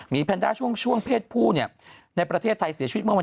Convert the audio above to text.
มีแพนด้าช่วงเพศผู้ในประเทศไทยเสียชีวิตเมื่อวัน